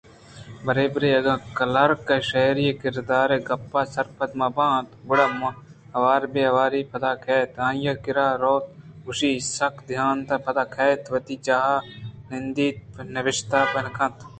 برے برے اگاں کلرک شرّی ءَ کراریں گپاں سرپد مہ بیت گڑا وار پہ واری پاد کیت ءُآئی ءِ کِرّا روت گوشاں سک دنت ءُپدا کیت وتی جاہ ءَ نندیت ءَ نبشتہ ءَ بنا کنت